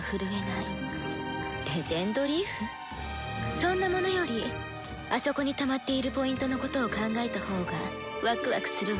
そんなものよりあそこにたまっているＰのことを考えた方がワクワクするわ。